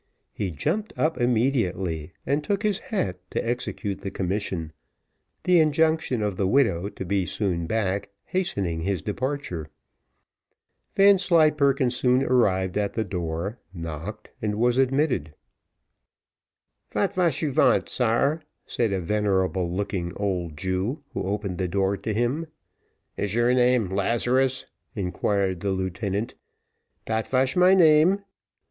He jumped up immediately, and took his hat to execute the commission, the injunction of the widow to be soon back hastening his departure. Vanslyperken soon arrived at the door, knocked, and was admitted. "Vat vash you vant, sare?" said a venerable looking old Jew, who opened the door to him. "Is your name Lazarus?" inquired the lieutenant. "Dat vash my name."